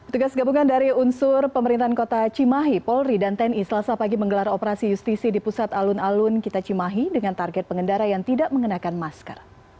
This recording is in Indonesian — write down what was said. tugas gabungan dari unsur pemerintahan kota cimahi polri dan tni selasa pagi menggelar operasi justisi di pusat alun alun kita cimahi dengan target pengendara yang tidak mengenakan masker